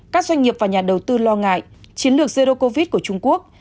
các doanh nghiệp và nhà đầu tư lo ngại chiến lược zero covid của trung quốc